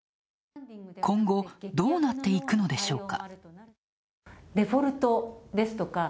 今後、どうなっていくのでしょうか？